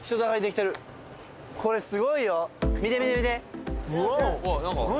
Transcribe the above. これすごいよ見て見て見てワーオ何？